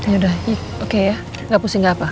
yaudah oke ya gak pusing gak apa